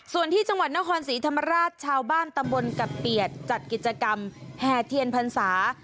ส่วนที่จังหวัดนครศรีธรรมราชชาวบ้านตำบลกับเปียดจัดกิจกรรมแห่เทียนพรรษา